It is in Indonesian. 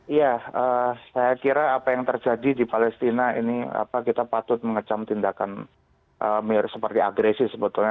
iya saya kira apa yang terjadi di palestina ini kita patut mengecam tindakan seperti agresi sebetulnya